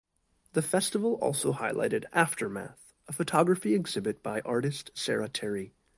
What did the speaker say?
The festival also highlighted "Aftermath," a photography exhibit by artist Sara Terry.